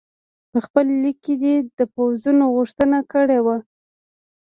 په خپل لیک کې دې د پوځونو غوښتنه کړې وه.